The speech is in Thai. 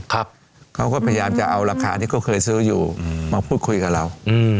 เขาก็พยายามจะเอาราคาที่เขาเคยซื้ออยู่มาพูดคุยกับเรา